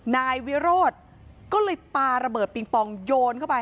นายวิโรธก็เลยปาระเบิดปิงปองโยนเข้าไป